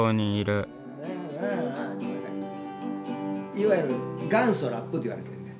いわゆる元祖ラップって言われてんねん。